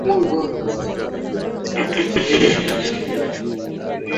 Kufuatana na afisa wa mtandao huo misukosuko inaendelea kuwakumba watetezi wa haki za binadamu